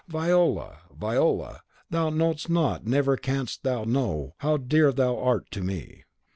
Viola! Viola! thou knowest not never canst thou know how dear thou art to me!"